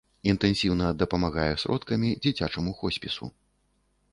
Інтэнсіўна дапамагае сродкамі дзіцячаму хоспісу.